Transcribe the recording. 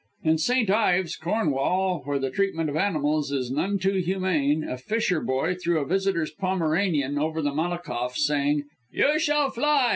In St. Ives, Cornwall, where the treatment of animals is none too humane, a fisher boy threw a visitor's Pomeranian over the Malakoff saying, "You shall fly!